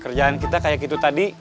kerjaan kita kayak gitu tadi